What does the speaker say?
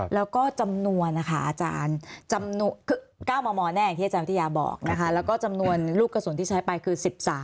แล้วก็จำนวนอาจารย์๙มแน่ที่อาจารย์วิทยาบอกแล้วก็จำนวนลูกกระสุนที่ใช้ไปคือ๑๓